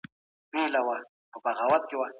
د سولي هڅي د نړیوال امنیت لپاره حیاتي دي.